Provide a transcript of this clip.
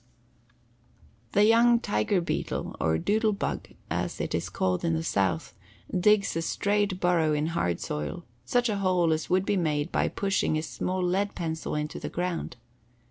The young tiger beetle, or "doodle bug," as it is called in the South, digs a straight burrow in hard soil, such a hole as would be made by pushing a small lead pencil into the ground.